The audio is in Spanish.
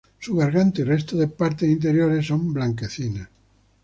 Su garganta y resto de partes interiores son blanquecinas.